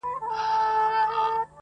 ستا دردونه دي نیمی و ماته راسي,